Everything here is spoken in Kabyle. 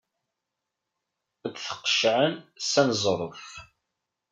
Ad t-qeccɛen s aneẓruf.